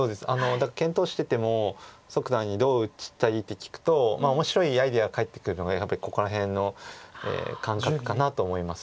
だから検討してても蘇九段に「どう打ちたい？」って聞くと面白いアイデアが返ってくるのがやっぱりここら辺の感覚かなと思います。